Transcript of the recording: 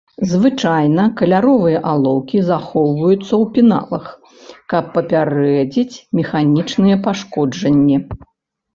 Звычайна каляровыя алоўкі захоўваюцца ў пеналах, каб папярэдзіць механічныя пашкоджанні.